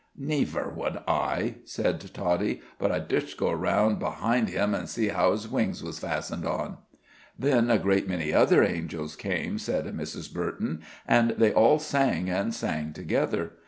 "Neiver would I," said Toddie, "but I dzust go round behind him an' see how his wings was fastened on." "Then a great many other angels came," said Mrs. Burton, "and they all sang and sang together.